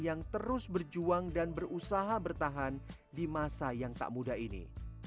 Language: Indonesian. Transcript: yang terus berjuang dan berusaha bertahan di masa yang tak muda ini